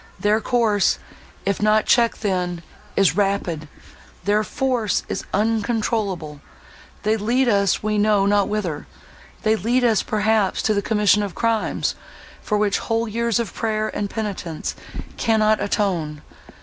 Their course, if not checked then, is rapid—their force is uncontrollable—they lead us we know not whither—they lead us perhaps to the commission of crimes, for which whole years of prayer and penitence cannot atone!